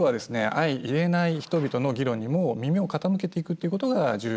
相いれない人々の議論にも耳を傾けていくっていうことが重要だと思います。